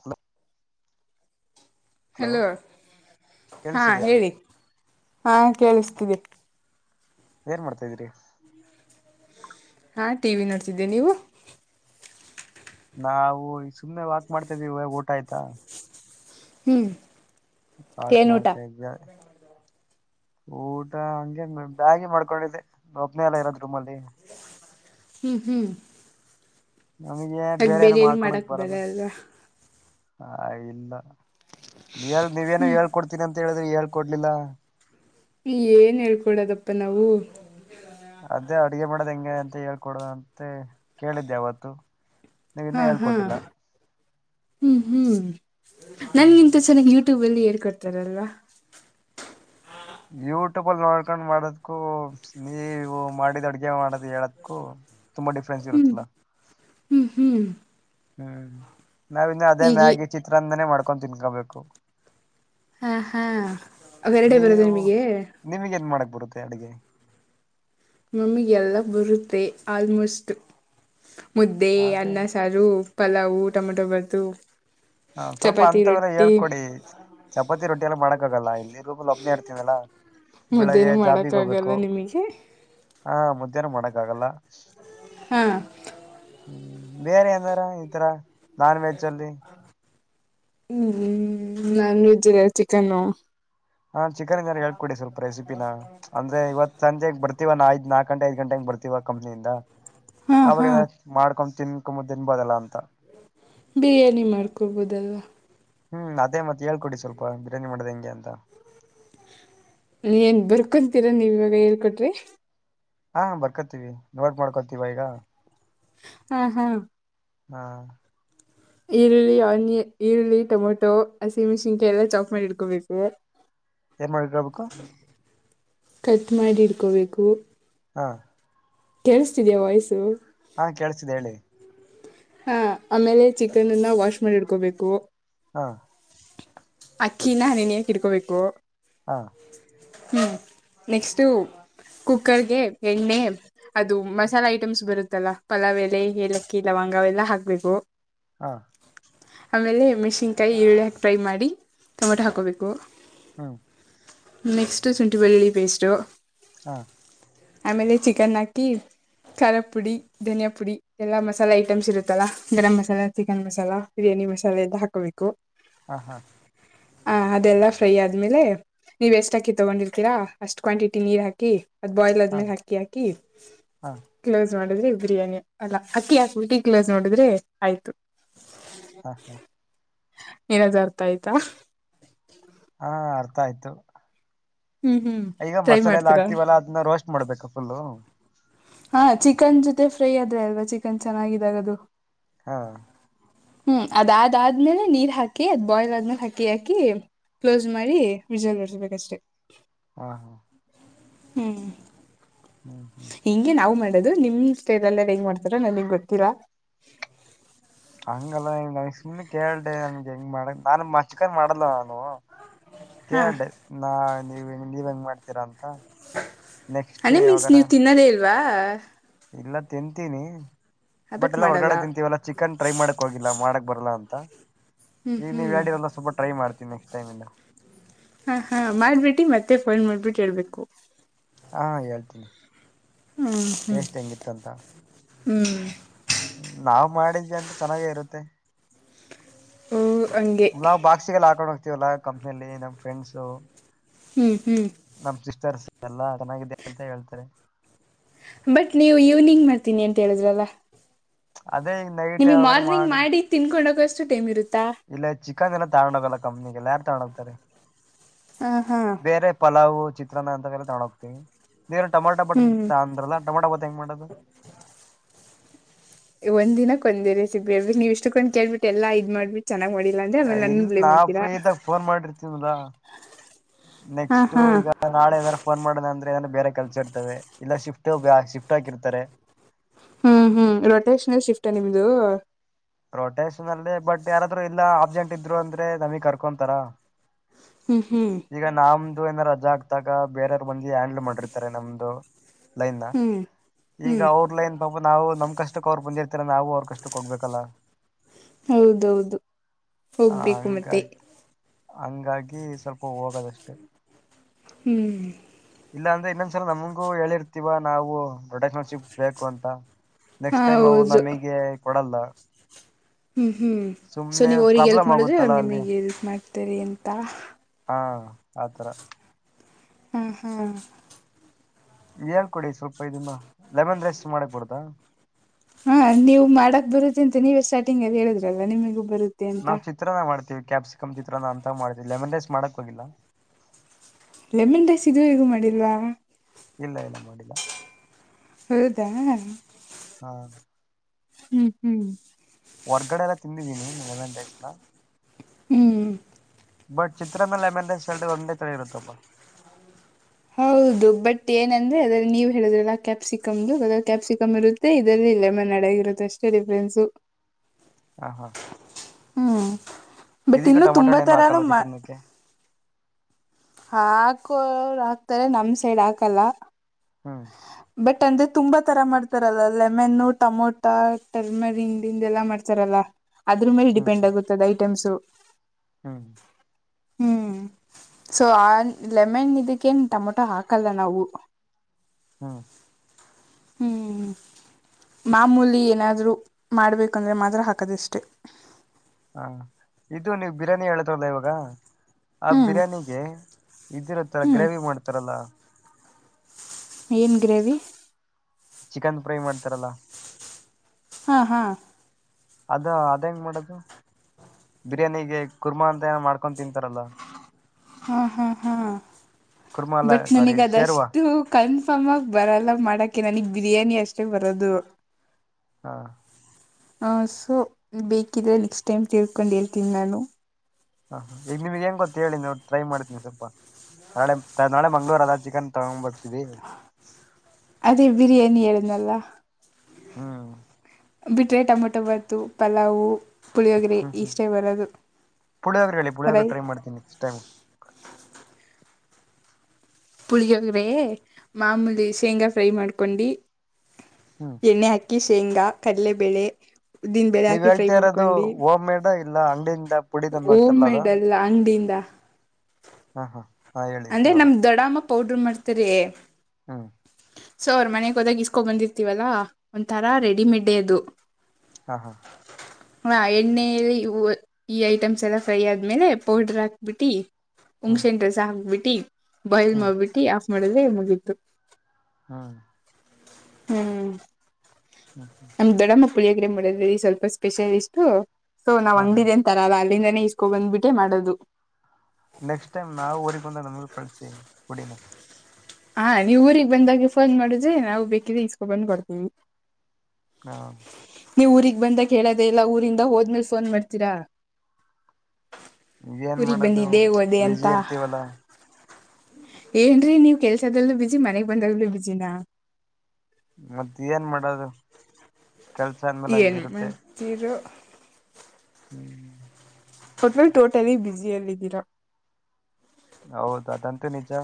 Hello hello ಹಾ ಕೇಳಿಸಿದ್ಯಾ ಹೇಳಿ ಹಾ ಕೇಳಿಸ್ತಿದೆಿ ಏನ್ ಮಾಡ್ತಾ್ದೀರಿ ಹಾ ಟಿವ ವಿ ನಡ್ತಿದ್ದೆ ನೀವು ನಾವು ಸುಮ್ನೆ ವಾಕ್ ಮಾಡ್ತಾ ಇದೀವಿ ಇಾಗ ಊಟ ಆಯ್ತಾ ಹ್ಮ್ ಕಾಟ್ ಏನ್ ಊಟ ಮಾಡ್ತ ಇದ್ದ ಊಟ ಹಗೆ ಬ್ಯಾಗಿ ಮಾಡ್ಕೊಂಡಿದ್ದಿದೆ ಒಪ್ಪನೆೆ ಎಲ್ಲ ಇರೋದ್ ರೂಮಲ್ಲಿ ಹ್ಮ್ ಹ್ಮ್ ನಮಗೆ ಬೇರೆ ಏನ ಮಾಡ್ಕೊಂಡಕ್ ಬರಲ್ಲ ಹ ಇಲ್ಲ ನೀ ನೀವೇನು ಹೇಳ್ಕೊಡ್ತೀನಿ ಅಂತ ಹೇಳಿದ್ರಿ ಯಳ್ ಕೊಡ್ಲಿಲ್ಲ ಏನ್ ಹೇಳ್ಕೊಡದಪ್ಪ ನಾವು ಅದೇ ಅಡ್ಗೆ ಮಾಡದ್ ಹೆಂಗೆ ಅಂತ ಹೇಳ್ಕೊಡ ಅಂತೆ ಕೇಳಿದ್ದೆ ಅವಾವತ್ತು ನೀ್ ಹಾ ಇನ್ನ ಹಾ ಹೇಳ್ಕೊಟ್ಟಿಲ್ಲ ಹ್ಮ್ ಹ್ಮ್ ಹ್ಮ್ ನನ್ಗಿಂತ ಚೆನ್ನಾಗಿ ಯೂಟ್ಯೂಬ್ ಅಲ್ಲಿ ಹೇಳ್ಕೊಡ್ತಾರಲ್ವಾ ಯೂಟ್ಯೂಬ ಅಲ್ಲಿ ನೋಡ್ಕೊಂಡ್ ಮಾಡದಕೂ ನೀವು ಮಾಡಿದ್ ಅಡ್ಗೆ ಮಾಡದ್ ಹೇಳದಕು ತುಂಬಾ ಡಿಫ್ರೆನ್ಸ್ ಇರುತ್ತಿಲ್ಲ ಹ್ಮ್ ಹ್ಮ್ ನಾವಿನ್ನು ಅದೇ ಈಗಿ ಮ್ಯಾಗಿ ಚಿತ್ರಾಂದನೇ ಮಾಡ್ಕೊಂಡು ತಿನ್ಕೊಬೇಕು ಹಾ ಹಾ ಅವ ಎರಡೆ ಬರುದು ನಿಮಗೆ ಬರುತ ಅಡುಿಗೆ ಮಮ್ಮಿಗೆಲ್ಲ ಬರುತ್ತೆ ಆಲ್ಮೋಸ್ಟ್ ಮುದ್ದೆ ಅದೇ ಅನ್ನ ಸಾರು ಪಲಾವು ಟೊಮೊಟೊ ಬತು ಹ ಸ್ವಲ್ಪ ಅಂತವೆಲ್ಲ ಹೇಳ್ಕೊಡಿ ಚಪಾತಿ ರೊಟ್ಟಿ ಎಲ್ಲ ಮಾಡಕ್ಕಾಗಲ್ಲ ಇಲ್ಲಿ ನೀೂಪ ಲಬ್ನಿ ಇಡ್ತನಲ್ಲ ಬೆಳಗ್ಗೆ ಮುದ್ದೇನು ಜಾಬಿಗೆ ಹೋಗ್ಬೇಕು ಮಾಡೋಕ್ಕಾಗಲ್ಲ ನಿಮಗೆ ಹಾ ಮಧ್ಯಾಹ್ನ ಮಾಡಕ್ ಆಗಲ್ಲ ಹ್ಮ್ ಹ್ಮ್ ಬೇರೆ ನಾರ ಈ ತರ ನಾನ್ ವೆಜ್ ಅಲ್ಲಿ ಹ್ಮ್್ಮ ನನ್ ವಜ್ ಇಲ್ಲ ಚಿಕನ್ನ ಹಾ ಚಿಕನ್ಜಾರ ಹಳ್ಕಡಿ ಸ್ವಲ್ಪ ರೆಸಿಪಿನಾ ಅಂದ್ರೆ ಇವತ್ ಸಂಜೆಗ್ ಬರ್ತೀವ ನಾ ಆಯ್ತು ನಾಕ ಗಂಟೆ ಐದ ಗಂಟ ಬರ್ತಿೀವ ಕಂಪ್ನಿಯಿಂದ ಹಾ ಹಾ ಆಾಗ ಮಾಡ್ಕೊಂಡ್ ತಿನ್ಕೊ್ ತಿನ್ಬದಲ್ಲ ಅ ಬಿರಿಯಾನಿ ಮಾಡ್ಕೊಡ್ಬೋದಲ್ವಾ ಹ್ಮ್ ಅದೇ ಮತ್ತೆ ಹೇಳ್ಕೊಡಿ ಸ್ವಲ್ಪ ಬಿರಿಯಾನಿ ಮಾಡ್ದ ಹೆಂಗೆ ಅಂತ ನೀ ಏನ್ ಬರ್ಕೊಂತೀರ ನೀವ್ ಇವಾಗ ಹೇಳ್ಕೊಟ್ರಿ ಹಾ ಬರ್ಕೊತೀವಿ ನೋಟ್ ಮಾಡ್ಕೊತೀವ ಈಗ ಹಾ ಹಾ ಹಾ ಈರುಳ್ಳಿ ಆನಿಯ ಈರುಳ್ಳಿ ಟೊಮೆಟೊ ಹಸಿಮೆಣಸಿನ್ಕಾಯಿ ಎಲ್ಲ ಚಾಕ್ ಮಾಡಿ ಇಡ್ಕೋಬೇಕು ಏ ಮಾಡಗಾ ಬುಕ್ಕಾ ಕಟ್ ಮಾಡಿ ಇಡ್ಕೋಬೇಕು ಹಾ ಕೇಳಿಸತಿದ್ಯಾ ವಯ್ಸು ಹಾ ಕೇಳಳ್ಸಿದೆ ಹೇಳಿ ಹಾ ಆಮೇಲೆ ಚಿಕನ್ನ್ನ ವಾಶ್ ಮಾಡಿ ಇಡ್ಕೋಬೇಕು ಹಾ ಅಕ್ಕಿನ ಹನಿನಿಯಕ ಇಡ್ಕೋಬೇಕು ಹಾ ಹ್ಮ್ ನೆಕ್ಸ್ಟ್ ಕುಕ್ಕರ್ಗೆ ಎಣ್ಣೆ ಅದು ಮಸಾಲೆ ಐಟಮ್ಸ್ ಬರುತ್ತಲ್ಲಾ ಪಲಾವೆಲೆ ಏಲಕ್ಕಿ ಲವಂಗ ೆಲ್ಲ ಹಾಕ್ಬೇಕು ಹಾ ಆಮೇಲೆ ಮೆಣಸಿಕಾಯಿ ಈರುಳ್ಳಿ ಹಾಕಿ ಫ್ರೈ ಮಾಡಿ ಟೊಮೊಟೊ ಹಾಕೋಬೇಕು ಹೂ ನೆಕ್ಸ್ಟ್ ಶುಂಠಿ ಬೆಳ್ಳಿ ಪೇಸ್ಟು ಹಾ ಆಮೇಲೆ ಚಿಕನ್ ಹಾಕಿ ಖಾರ ಪುಡಿ ಧನಿಯಾ ಪುಡಿ ಎಲ್ಲಾ ಮಸಾಲೆ ಇ ಐಟಮ್ಸ್ ಇರುತ್ತಲ್ಲಾ ಗರಂ ಮಸಾಲ ಚಿಕನ್ ಮಸಾಲ ಬಿರಿಯಾನಿ ಮಸಾಲೆ ಎಲ್ಲ ಹಾಕೋಬೇಕು ಹಾ ಹಾ ಹ ಅದೆಲ್ಲ ಫ್ರೈ ಆದ್ಮೇಲೆ ನೀವ ಎಷ್ಟ ಹಾಕಿ ತೊಗೊಂಡಿರ್ತೀರಾ ಅಷ್ಟ್ ಕ್ವಾಂಟಿಟಿ ನೀರ್ ಹಾಕಿ ಅದ್ ಬಾಯ್ಲ್ ಹಾ ಆದ್ಮೇಲೆ ಅಕ್ಕಿ ಹಾಕಿ ಹಾ ಕ್ಲೋಸ್ ಮಾಡಿದ್ರೆ ಬಿರಿಯಾನಿ ಅಲ್ಲ ಅಕ್ಕಿ ಹಾಕಟ್ಟ ಕ್ಲೇಸ್ ನೋಡಿದ್ರೆ ಆಯ್ತು ಹಾ ಏನಾದ್ರು ಅರ್ಥ ಆಯ್ತಾ ಹಾ ಅರ್ಥ ಆಯ್ತು ಹ್ಮ್ ಹ್ಮ್ ಈಗ ಟ್ರೈ ಮಸಾಲೆ ಎಲ್ಲ ಮಾಡ್ತೀರಾ ಆಗ್ತಿವಲ್ಲಾ ಅದನ್ನ ರೋಸ್ಟ್ ಮಾಡ್ಬೇಕ ಫುಲ್ಲ ಹಾ ಚಿಕನ್ ಜೊತೆ ಫ್ರೈ ಆದ್ರೆ ಅಲ್ವಾ ಚಿಕನ್ ಚೆನ್ನಾಗಿದಾಗದು ಹಾ ಹೂ ಅದ್ ಆದಾದ್ಮೇಲೆ ನೀರ್ ಹಾಕಿ ಅದ್ ಬಾಯ್ಲ್ ಆದ್ಮೇಲೆ ಹಾಕಿ ಯಾಕಿ ಕ್ಲೋಸ್ ಮಾಡಿ ರಿಸಲ್ ಹೊಡ್ಸ್ಬೇಕಷ್ಟ್ರರಿ ಹಾ ಹಾ ಹ ಹ್ಮ್ ಹ್ಮ್ ಹಿಂಗೆ ನಾವು ಮಾಡ ದು ನಿಮ್ ಸ್ಟೇಲ್ಲಲ್ಲ ಹೆಂಗ್ ಮಾಡ್ತಾರ ನನ್ಂಗ ಗೊತ್ತಿಲ್ಲ ಹಂಗಲ್ಲ ಈ ನ ಸುಮ್ ಕೇಳ್ದೆ ನನ್ಗೆ ಹೆಂಗ್ ಮಾಡ ನಾನ್ ಮಚ್ಕಾರಿ ಮಾಡಲ್ಲ ನಾನು ಹಾ ಕೇೇಳೆ ನಾ ನೀವ್ ನೀವ್ ಹೆಂಗ್ ಮಾಡ್ತೀರಾ ಅಂತ ನೆಕ್ಸ್ಟ್ ಯಾವಾಗರ ಾ ಇಲ್ಲ ತಿಂತೀನಿ ಬಟ್ ಹಬಟ್ ಎಲ್ಲ ಮಾಡಲ್ಲ ಹೊರ್ಗಡೆ ತಿಂತೀವ ಎಲ್ಲ ಚಿಕನ್ ಟ್ರೈ ಮಾಡಕ್ ಹೋಗಿಲ್ಲ ಮಾಡಕ್ ಬರಲ್ಲಾ ಅಂತ ಈಗ ನೀವ್ ಹೇಳಿರಲ್ಲ ಸ್ವಲ್ಪ ಟ್ರೈ ಮಾಡ್ತೀ ನೆಕ್ಸ್ಟ್ ಟೈಮ್ ಇಂದ ಹಾ ಹಾ ಮಾಡ್ಬಿಟ್ಟಿ ಮತ್ತೆ ಫೋನ್ ಮಾಡ್ಬಿಟ್ಟು ಹೇಳ್ಬೇಕು ಹಾ ಹೇಳ್ತೀನಿ ಟೇಸ್ಟ್ ಹೆಂಗಿತ್ತು ಅಂತ ಹೂ ನಾವ್ ಮಾಡಿದ್ವಿ ಅಂತ ಚೆನ್ನಾಗೇ ಇರುತ್ತೆ ಓ ಹಂಗೆ ನಾವು ಬಾಕ್ಸಿಗೆಲ್ಲ ಹಾಕೊಂಡ್ ಹೋಗ್ತೀವಲ್ಲಾ ಕಂಪ್ನಿಯಲ್ಲಿ ನಮ್ ಫ್ರೆಂಡ್ಸು ಹ್ಮ್ ಹ್ಮ್ ನಮ್ ಸಿಸ್ಟರ್ಸ್ ಎಲ್ಲಾ ಚೆನ್ನಿದ್ದೇ ಅಂತ ಹೇಳ್ತಾರೆ ಬಟ್ ನೀವು ಈವ್ನಿಂಗ್ ಮಾಡ್ತೀನಿ ಅಂತ ಹೇಳಿದ್ರಲ್ಲ ಅದೇ ಈಗ ನೈಟ್ ನಿಮಗ್ ಯಾವಾಗಾರ ಮಾರ್ನಿಂಗ್ ಮಾಡಿ ತಿನ್ಕೊಂಡೋಗಷ್ಟು ಟೈಮ್ ಇರುತ್ತಾ ಇಲ್ಲ ಚಿಕನ್ ಏನ್ ತಗೊಂಡ ಹೋಗಲ್ಲ ಕಮ್ಮನಿಗೆಲ್ಲ ಯಾರು ತಗೊಂಡು ಹೋಗ್ತಾರೆ ಹಾ ಹಾ ಬೇರೆ ಪಲಾವು ಚಿತ್ರನ ಅಂತ ಕ ತೊಂಡು ಹೋಗ್ತೀವಿ ನೀ ಟಮೊಟೊ ಹ್ಮ್ ಬಟ್ಂತ ಅಂದ್ರಲ್ಲ ಟೊಮೊಟೊ ಬತ್ ಹೆಂಗ ಮಾಡದು ಒಂದ ದಿನಕ್ಕೆ ಒಂದೇ ರೆಸಿಪಿ ಹೇಬಿು ನೀವು ಇಷ್ಟು ಕಕೊಂಡ್ ಕೇಳ್ಬಿಟ್ಟ ಎಲ್ಲ ಇದ್ ಮಾಡ್ಬಿು ಇಲ್ ನಾ ಫ್ರೀ ಇದಾಗ ಫೋನ್ ಮಾಡಿರ್ತೀನ್ಲಾ ಹಾ ನೆಕ್ಸ್ಟ್ು ಹಾ ಈಗ ನಾಳೆ ಏನರ ಫೋನ್ ಮಾಡಿದೆ ಅಂದ್ರೆ ಬೇರೆ ಕಲ್ಸ ಇರ್ತವೆ ಇಲ್ಲ ಶಿಫ್ಟ್ ಶಿಫ್ಟ್ ಹಾಕಿರ್ತಾರೆ ಮ ನಿಮ್ದು ಪ್ರೊಟೆಸ್ನ್ ಅಲ್ಲಿ ಬಟ್ ಯಾರಾದ್ರರು ಇಲ್ಲಾ ಅಬ್ಸೆಂಟ್ ಇದ್ರು ಅಂದ್ರೆ ನಮಿಗ್ ಕರ್ಕೊಂತಾರ ಹ್ಮ್ ಹ್ಮ್ ಈಗ ನಾಮ ಇದು ಏನಾರ ರಜಾ ಆಗ್ತಾಗ ಬೇರೆಯವರು ಬಂದ ಹ್ಯಾಂಡಲ್ ಮಾಡಿರ್ತಾರೆ ನಮ್ದು ಲೈನ್ ಹ್ಮ್ ಈಗ ಹ್ಮ್ ಅವ್ರ ಲೈನ್ ಪಾಪ ನಾವು ನಮ್ ಕಷ್ಟಕ್ ಅವರ್ ಬಂದಿರ್ತಿ ಈ ನಾವು ಅವ್ರ ಕಷ್ಟಕ್ಕೆ ಹೋಗ್ಬೇಕಲ್ಲ ಹೌದೌದು ಹೋಗ್ಬೇಕು ಮತ್ತೆ ಹಂಗಾಗಿ ಹಂಗಾಗಿ ಸ್ವಲ್ಪ ಹೋಗದಷ್ಟೆ ಹ್ಮ್ ಇಲ್ಲ ಅಂದ್ರೆ ಇನ್ನೊಂದ್ಸಲ ನಮಗೂ ಹೇಳಿರ್ತಿೀವ ನಾವು ರೊಟೇಶನ್ಶಿಪ್ ಬೇಕು ಅಂತ ಹಾ ನೆಕ್ಸ್ಟ್ ಟೈಮ್ ಅವವು ಹೌದು ನಮಗೆ ಕೊಡಲ್ಲ ಹ್ಮ್ ಹ್ಮ್ ಸೊ ಸುಮ್ನೆ ನೀವ್ ಅವ್ರಿಗೆ ಎಲ್ಪ್ ಪ್ರಾಬ್ಲಮ್ ಮಾಡುದ್ರಿ ಆಗುತ್ತಲ್ಲ ಅವ್ರು ಅಲ್ಲಿ ನಿಮಗ್ ಎಲ್ಪ್ ಮಾಡ್ತರಿ ಎಂತ ಹಾ ಆಥರ ಹ್ಮ ಹಾ ಹೇಳ್ಕೊಡಿ ಸ್ವಲ್ಪ ಇದನ್ನ ಲೆಮನ್ ರೈಸ್ ಮಾಡಕ್ಬಡದಾ ಹಾ ನೀವ್ ಮಾಡಕ್ ಬರುತ್ತಿ ಅಂತ ನೀವೇ ಸ್ಟಾರ್ಟಿಂಗ್ ಅಲ್ಲಿ ಹೇಳುದ್ರಲ್ಲ ನಿಮಗೂ ಬರುತ್ತ ನಾವವು ಚಿತ್ರನ ಮಾಡ್ತೀವಿ ಕ್ಯಾಪ್ಸಿಕಮ್ ಚಿತ್ರಾನ ಅಂತ ಮಾಡ್ತೀವಿ ಲೆಮನ್ ರೈಸ್ ಮಾಡಕ್ ಹೋಗಿಲ್ಲ ಲೆಮನ್ ರಡೈಸ್ ಇದು ಹೇಗ ಮಾಡಿಲ್ವಾ ಇಲ್ಲ ಇಲ್ಲ ಮಾಡಿಲ್ಲ ಹೌದಾ ಹ್ಮ ಹ್ಮ್ ಹ್ಮ್ ಹೊರ್ಗಡೆ ಎಲ್ಲ ತಿಂದಿದೀನಿ ನಿೆಲಮೇ ದೈಸ್ನ ಹ್ಮ್ ಬಟ್ ಚಿತ್ರಾನ್ನ ಲೆಮನ್ ರೈಸಲ್ಟ್ ಒಂದೇ ತರ ಇರುತ್ತಪ್ಪ ಹೌದು ಬಟ್ ಏನಂದ್ರೆ ಅದ್ರಲ್ಲಿ ನೀವ್ ಹೇಳುದ್ರಲ್ಲ ಕ್ಯಾಪ್ಸಿಕಮ್ದು ಅದ್ರ ಕ್ಯಾಪ್ಸಿಕಮ್ ಇರುತ್ತೆ ಇದ್ರಲ್ಲಿ ಇಲ್ಲ ಮನ್ನಡಗ ಇರುತ್ತೆ ಅಷ್ಟೇ ಡಿಫ್ರೆನ್ಸು ಹ ಹಾ ಹ್ಮ್ ಬಟ್ ಇದೀಗ ಇನ್ನು ಟೊಮೊಟೊ ತುಂಬಾ ಹಣ್ಣೇನು ತರಾನು ಹಾಕಲ್ವ ಚಿತ್ರಾನ್ನಕ್ಕೆ ಹಾಕೋರು ಹಾಕ್ತಾರೆ ನಮ್ ಸೈಡ್ ಹಾಕಲ್ಲ ಹ್ಮ್ ಬಟ್ ಅಂದ್ರೆ ತುಂಬಾ ತರ ಮಾಡ್ತಾರಲ್ಲ ಲೆಮನ್ ಟೊಮೊಟಾ ಟರ್ಮರಿನ್ ಇಿಂದೆಲ್ಲಾ ಮಾಡ್ತಾರಲ್ಲ ಅದ್ರ ಮೇಲೆ ಹ್ಮ್ ಡಿಪೆಂಡ್ ಆಗತುತ್ತದೆ ಐಟೆ್ಸ್ು ಹ್ಮ್ ಹ್ಮ್ ಸೊ ಆ ಲೆಮನ್ ಇದಕ್ಕೇನ್ ಟೊಮೊಟೊ ಹಾಕಲ್ಲ ನಾವು ಹ್ಮ್ ಹ್ಮ್ ಮಾಮೂಲಿ ಏನಾದ್ರೂ ಮಾಡ್ಬೇಕಂದ್ರೆ ಮಾತ್ರ ಹಾಕದಿಷ್ಟೆ ಹಾ ಇದು ನೀವು ಬಿರಿಯಾನಿ ಹೇಳದ್ರಲ್ಲ ಇವಾಗ ಆ ಹ್ಮ್ ಬಿರ್ಯಾನಿಗೆ ಇದಿರತ್ತರ ಹ್ಮ್ ಗ್ರೇವಿ ಮಾಡ್ತಾರಲ್ಲ ಏನ್ ಗ್ರೇವಿ ಚಿಕನ್ ಫ್ರೈ ಮಾಡ್ತಾರಲ್ಲ ಹಾ ಹಾ ಅದ ಅದ ಹೆಂಗ್ ಮಾಡದು ಬಿರಿಯಾನಿಗೆ ಕುರ್ಮಾ ಅಂತ ಏನ ಮಾಡ್ಕೊಂಡ ತಿನ್ಂತಾರಲ್ಲ ಹ್ಹ ಹ್ಹ ಹಾ. ಕುರ್ಮಾ ಅಲ್ಲ ಬಟ್ ಸಾರಿ ನನೀಗ್ ಶೇರ್ವಾ ಅದಷ್ಟು ಕನ್ಫರ್ಮ್ ಆಗ ಬರಲ್ಲಾ ಮಾಡಕ್ ನನಿಗ್. ಬಿರಿಯಾನಿ ಅಷ್ಟೇ ಬರದು ಹಾ ಹ ಸೊ ಬೇಕಿದ್ರೆ ನೆಕ್ಸ್ಟ್ ಟೈಮ್ ತಿರ್ಕೊಂಡು ಹೇಳ್ತೀನಿ ನಾನು ಹ ಈಗ ನಿಮಗ್ ಗೊತ್ತ ಹೇಳಿ ನೋ ಟ್ರೈ ಮಾಡ್ತೀನಿ ಸ್ವಲ್ಪ ನಾಳೆ ನಾಳೆ ಮಂಗ್ಳೂರು ಅದ ಚಿಕನ್ ತಾಂಬ ಅದೇ ಬಿರಿಯಾನಿ ಹೇಳದಾನಲ ಹ್ಮ್ ಬಿಟರೆ ಟೊಮೊಟೊ ಬಾತು ಪಲಾವು ಪುಳಿಯೋಗ್ರಿ ಹ್ಮ್ ಹ್ಮ್ ಈಷ್ಟೈ ಬರದು ಪುಳಿಯೋಗ್ರೆ ಹೇಳಿ ಹರ ಪುಳಿಯೋಗ್ರೆ ಟ್ರೈ ಮಾಡ್ತೀನಿ ನೆಕ್ಸ್ಟ್ ಟೈಮ್ ಪುಳಿಯೋಗರೆ ಮಾಮೂಲಿ ಶೇಂಗಾ ಫ್ರೈ ಮಾಡ್ಕೊಂಡಿ. ಹ್ಮ್ ಎಣ್ಣೆ ಹಾಕಿ ಶೇಂಗಾ ಕಡಲೆಬೇಳೆ. ಉದ್ದಿನ ಬೇಳೆ ನೀವ್ ಹಾಕಿ ಫ್ರೈ ಹೇಳ್ತಾ ಇರೋದು ಮಾಡ್ಕೊಂಡಿ ಹೋಮ್ ಮೇಡ್ ಇಲ್ಲ ಅಂಗಡಿಯಿಂದ ಪುಡಿ ತಂದು ಹಾಕ್ತಾರಲ್ಲ ಅದು ಓಮೆಡ್ ಅಲ್ಲಾ ಅಂಗಡಿಯಿಂದಾ. ಹಾ ಹಾ. ಹಾ ಹೇಳಿ ಅಂದ್ರೆ ಇವಾಗ ನಮ್ ದೊಡಮ್ಮ ಪೌಡ್ರ ಮಾಡ್ತಾರೆ. [inaudible] ಸೊ ಅವ್ರ ಮನೆಗ್ ಹೋದಾಗ ಇಸ್ಕೊ ಬಂದಿರ್ತೀವಲ್ಲಾ ಒಂಥರಾ ರೆಡಿಮೆಡೇ ಅದು. ಹಾ ಹಾ. ಹಾ ಎಣ್ಣೆಯಲ್ಲಿ ಈ ಐಟಮ್ಸ್ ಎಲ್ಲ ಫ್ರೈ ಆದ್ಮೇಲೆ ಪೌಡ್ರ ಹಾಕ್ಬಿಟ್ಟಿ. ಹ್ಮ್ ಉಂಗಸೆಹಣ್ಣ ರಸಾ ಹಾಕ್ಬಿಟ್ಟಿ ಬಯಲ್ ಹ್ಮ್ ಮಾಡ್ಬಿಟ್ಟಿ ಆಫ್ ಮಾಡದ್ರೆ ಮುಗಿತು. ಹ್ಮ್ ಹ್ಮ್ ಹ್ಮ್ ಹ್ಮ್ ನಮ್ ದಡ ಮ. ಪುಳಿಯೋಗರೆ ಮಾಡೋದ್ರಲ್ಲಿ ಸ್ವಲ್ಪ ಸ್ಪೆಷಲಿಸ್ಟು ಸೊ ನಾವ್ ಹಾ ಹಾ ಅಂಗಡಿದ ಏನ್ ತರಲ್ಲಾ. ಅಲ್ಲಿಂದನೇ ಇಸ್ಕೊ ಬಂದ್ಬಿಟ್ಟೆ ಮಾಡೋದು. ನೆಕ್ಸ್ಟ್ ಟೈಮ್ ನಾವ ಊರಿಗ ಬಂದಾಗ ನಮಗೂ ಕಳ್ಸಿ ಪುಡಿನಾ. ಹಾ ನೀವ್ ಊರಿಗ್ ಬಂದಾಗೆ ಫೋನ್ ಮಾಡುದ್ರೆ ನಾವು ಬೇಕಿದ್ರೆ ಇಸ್ಕೊ ಬಂದ್ ಕೊಡ್ತೀವಿ. ಹಾ. ನೀವ್ ಊರಿಗ್ ಬಂದಾಗ ಹೇಳದೇ ಇಲ್ಲ ಊರಿಂದ ಹೋದ್ಮೇಲ್ ಫೋನ್ ಮಾಡ್ತೀರಾ. ಏನ್ ಊರಿಗ ಮಾಡೋದು ಬಂದಿದ್ದೇ ಓದೆ ಬಿಜಿ ಅಂತಾ. ಇರ್ತೀವಲ್ಲಾ ಏನ್ರೀ ನೀವ್ ಕೆಲ್ಸದಲ್ಲೂ ಬಿಜಿ ಮನೆಗ್ ಬಂದಾಗ್ಲೂ ಬಿಜಿನಾ. ಮತ್ತೇನ್ ಮಾಡೋದು ಕೆಲ್ಸ ಅಂದ್ಮೇಲೆ ಏನ್ ಹಂಗಿರುತ್ತೆ. ಮಾಡ್ತೀರೋ ಹ್ಮ್. ಒಟ್ನಲ್ಲಿ ಟೋಟಲಿ ಬ್ಯುಸಿಯಲ್ಲಿದ್ದೀರಾ. ಹೌದ ಅದಂತೂ ನಿಜಾ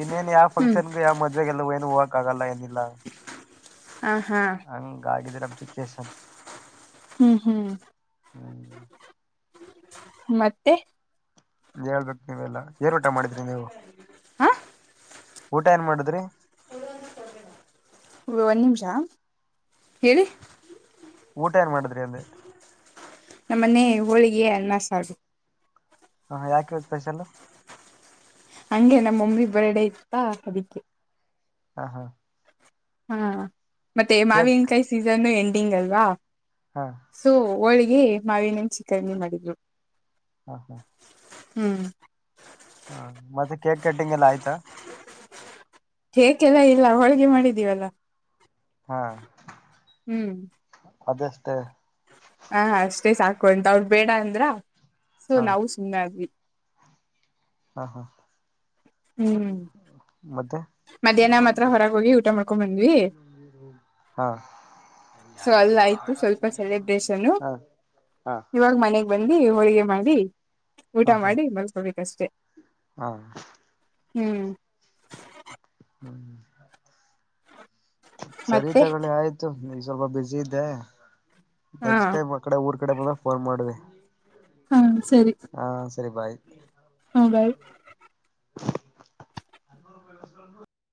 ಇನ್ನೇನ್ ಯಾವ ಹ್ಮ್ ಫಂಕ್ಷನ್ಗ ಯಾವ ಮದ್ವೆಗೆಲ್ಲ ಏನು ಹೋಗಕ್ ಆಗಲ್ಲ ಏನಿಲ್ಲ. ಲ್ಲಾ ಹ ಹಾ ಹಂಗಾಗಿದೆ ನಮ್ ಸಿಚುಯೇಷನ್. ಹ್ಮ್ ಹ್ಮ್. ಹ್ಮ್. ಮತ್ತೆ. ಹೇಳ್ಬೇಕ ನೀವೆಲ್ಲಾ ಏನ್ ಊಟಾ ಮಾಡಿದ್ರಿ ನೀವು. ಹಾಂ. ಊಟಾ ಏನ್ ಮಾಡುದ್ರಿ. ಒ ಒನ್ ನಿಮಷಾ ಹೇಳಿ. ಊಟಾ ಏನ್ ಮಾಡದ್ರಿ ಅಂದೆ. ನಮ್ಮನೆ ಹೋಳಿಗೆ ಅನ್ನ ಸಾರು. ಹಾ ಯಾಕಿವತ್ ಸ್ಪೆಷಲ್ಲು. ಹಂಗೆ ನಮ್ಮಮ್ಮಿ ಬರ್ಡೇ ಇತ್ತಾ ಅದಿಕ್ಕೆ. ಹಾ ಹಾ. ಹಾ ಮತ್ತೆ ಕೇಕ್ ಮಾವಿನಕಾಯಿ ಸೀಜನ್ನು ಎಂಡಿಂಗ್ ಅಲ್ವಾ. ಹಾ. ಹೋಳ್ಗಿ ಮಾವಿನಹಣ್ಣಿನ ಶಿಕರ್ಣಿ ಮಾಡಿದ್ವಿ. ಹಾ ಹಾ. ಹ್ಮ್ ಹಾ ಮತ್ತೆ ಕೇಕ್ ಕಟ್ಟಿಂಗ್ ಎಲ್ಲಾ ಆಯ್ತಾ. ಕೇಕೆಲ್ಲಾ ಇಲ್ಲಾ ಹೋಳ್ಗೆ ಮಾಡಿದ್ದೀವಲ್ಲಾ. ಹಾ. ಹ್ಮ್. ಅದಷ್ಟೇ. ಹ ಅಷ್ಟೇ ಸಾಕು ಅಂತಾ ಅವ್ರ ಬೇಡಾ ಅಂದ್ರಾ ಸೊ ಹಾ ನಾವು ಸುಮ್ನಾದ್ವಿ. ಹಾ ಹಾ ಮತ್ತೆ. ಮಧ್ಯಾಹ್ನಾ ಮಾತ್ರಾ ಹೊರಗ ಹೋಗಿ ಊಟಾ ಮಾಡ್ಕೊ ಬಂದ್ವಿ. ಹಾ ಸೊ ಅಲ್ಲ ಆಯ್ತು ಸ್ವಲ್ಪ ಸೆಲೆಬ್ರೇಷನ್ ಹಾ ಹಾ ಇವಾಗ ಮನೆಗೆ ಬಂದಿ ಹೋಳಿಗೆ ಮಾಡಿ ಊಟ ಹಾ ಹಾ ಮಾಡಿ ಮಲ್ಕೊಬೇಕಷ್ಟೇ ಹಾ ಹ್ಮ್ ಹ್ಮ್ ಸರಿ ಮತ್ತೆ ತಗೊಳ್ಳಿ ಆಯ್ತು ಸ್ವಲ್ಪ ಬಿಸಿ ಇದ್ದೆ ಹಾ ನೆಕ್ಸ್ಟ್ ಟೈಮ್ ಆ ಕಡೆ ಊರ್ ಕಡೆ ಬಂದಾಗ ಫೋನ್ ಮಾಡ್ವಿ ಹಾ ಸರಿ ಸರಿ ಬಾಯ್ ಹಗ ಅಪ